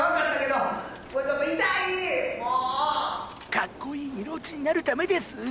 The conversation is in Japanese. かっこいい色落ちになるためです。